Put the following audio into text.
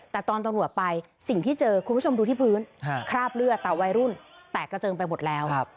แต่ตอนตำรวจไปสิ่งที่เจอคุณผู้ชมดูที่พื้นคราบเลือดแต่วัยรุ่นแตกกระเจิงไปหมดแล้ว